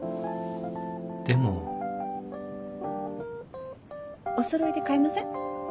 でもおそろいで買いません？